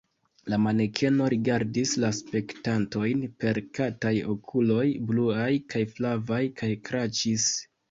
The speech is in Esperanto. La manekeno rigardis la spektantojn per kataj okuloj, bluaj kaj flavaj, kaj kraĉis.